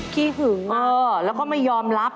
ขี้หึงแล้วก็ไม่ยอมรับ